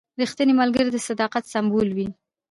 رښتینی ملګری د صداقت سمبول وي.